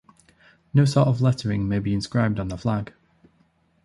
No sort of lettering may be inscribed on the flag.